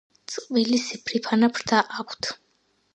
წყვილი სიფრიფანა ფრთა აქვთ.